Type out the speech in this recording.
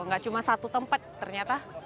nggak cuma satu tempat ternyata